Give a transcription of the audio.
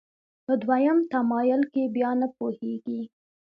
په دویم تمایل کې بیا نه پوهېږي.